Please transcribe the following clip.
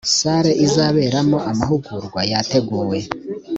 sale izaberamo amahugurwa yateguwe